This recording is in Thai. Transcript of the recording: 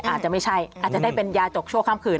อาจจะไม่ใช่อาจจะได้เป็นยาจกชั่วข้ามคืน